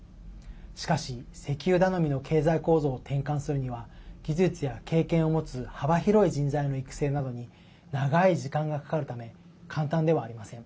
しかし、石油頼みの経済構造を転換するには技術や経験を持つ幅広い人材の育成などに長い時間がかかるため簡単ではありません。